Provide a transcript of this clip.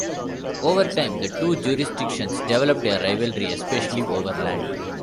Over time, the two jurisdictions developed a rivalry, especially over land.